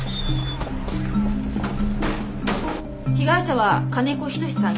被害者は金子仁さん４８歳。